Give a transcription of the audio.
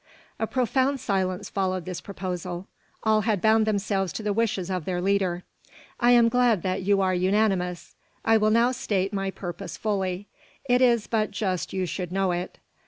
A profound silence followed this proposal. All had bound themselves to the wishes of their leader. "I am glad that you are unanimous. I will now state my purpose fully. It is but just you should know it."